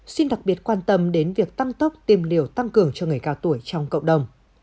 xin đặc biệt quan tâm đến việc tăng tốc tiêm liều tăng cường cho người cao tuổi trong cộng đồng